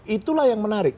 itulah yang menarik